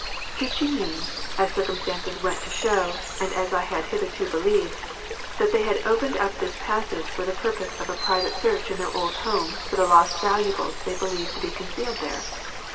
Did she mean, as circumstances went to show and as I had hitherto believed, that they had opened up this passage for the purpose of a private search in their old home for the lost valuables they believed to be concealed there?